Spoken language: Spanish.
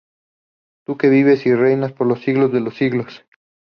Tú que vives y reinas por los siglos de los siglos.